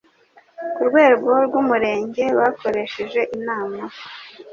Ku rwego rw Umurenge bakoresheje inama